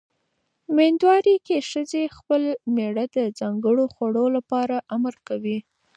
مېندوارۍ کې ښځې خپل مېړه د ځانګړو خوړو لپاره امر کوي.